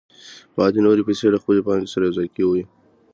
پاتې نورې پیسې له خپلې پانګې سره یوځای کوي